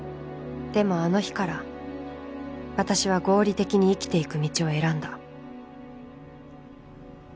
でもあの日から私は合理的に生きていく道を選んだ